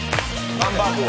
ハンバーグを。